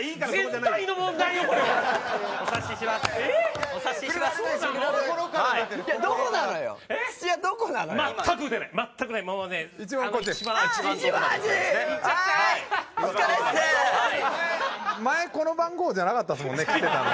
前この番号じゃなかったですもんね着てたのね。